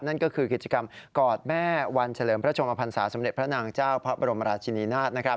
นั่นก็คือกิจกรรมกอดแม่วันเฉลิมพระชมพันศาสมเด็จพระนางเจ้าพระบรมราชินีนาฏ